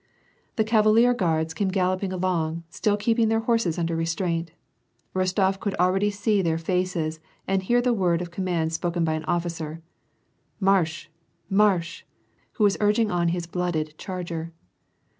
The Cavfilier guards came galloping along, still keeping their horses under restraint. Kostof could already see their faces, and hear the word of command spoken by the officer — Mdrsch ! marsch !— who was urging on his blooded charger.